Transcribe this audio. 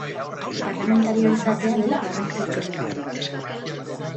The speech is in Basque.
Parlamentarioa izatea dela garrantzitsuena.